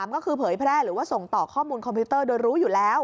ก็คือเผยแพร่หรือว่าส่งต่อข้อมูลคอมพิวเตอร์โดยรู้อยู่แล้ว